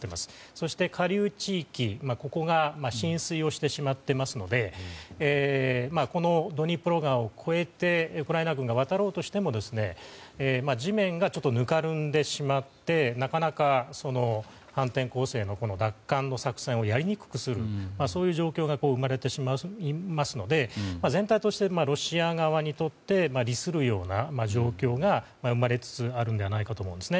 そして下流地域が浸水してしまっていますのでドニプロ川を越えてウクライナ軍が渡ろうとしても地面がちょっとぬかるんでしまってなかなかその反転攻勢の、奪還の作戦をやりにくくするという状況が生まれますので全体としてロシア側にとって利するような状況が生まれつつあるのではと思うんです。